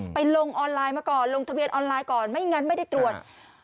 ลงออนไลน์มาก่อนลงทะเบียนออนไลน์ก่อนไม่งั้นไม่ได้ตรวจ